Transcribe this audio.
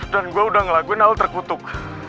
dan gue udah ngelakuin hal terkutuk